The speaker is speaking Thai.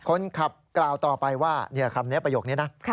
คนขับกล่าวต่อไปว่าคำนี้ประโยคนี้นะ